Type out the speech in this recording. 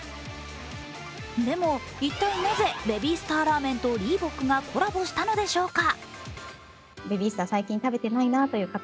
でも、一体なぜベビースターラーメンとリーボックがコラボしたのでしょうか？